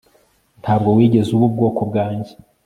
Ntabwo wigeze uba ubwoko bwanjye